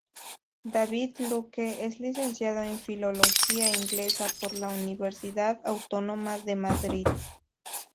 David Luque es Licenciado en Filología Inglesa por la Universidad Autónoma de Madrid.